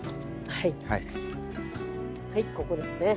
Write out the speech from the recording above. はいここですね。